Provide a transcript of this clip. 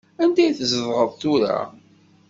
Anda i tzedɣeḍ tura?